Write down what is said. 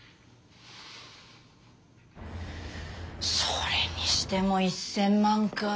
それにしても１，０００万かあ。